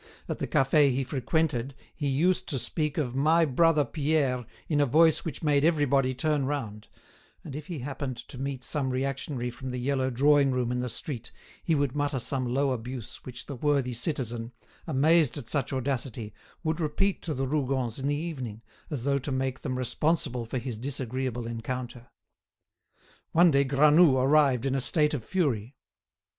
At the cafe he frequented he used to speak of "my brother Pierre" in a voice which made everybody turn round; and if he happened to meet some reactionary from the yellow drawing room in the street, he would mutter some low abuse which the worthy citizen, amazed at such audacity, would repeat to the Rougons in the evening, as though to make them responsible for his disagreeable encounter. One day Granoux arrived in a state of fury.